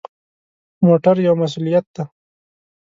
موټر یو مسؤلیت دی.